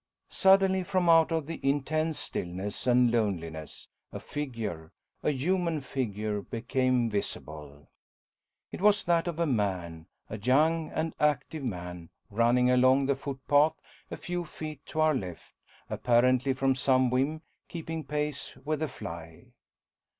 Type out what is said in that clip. Suddenly from out of the intense stillness and loneliness a figure, a human figure, became visible. It was that of a man, a young and active man, running along the footpath a few feet to our left, apparently from some whim, keeping pace with the fly.